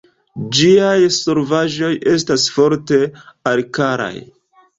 Ĝiaj solvaĵoj estas forte alkalaj.